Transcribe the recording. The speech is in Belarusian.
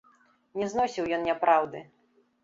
Не зносіў ён няпраўды.